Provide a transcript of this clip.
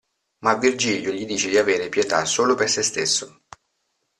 Ma Virgilio gli dice di avere pietà solo per sé stesso.